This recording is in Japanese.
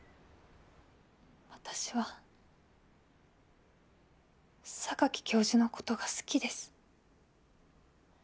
私は教授のことが好きです。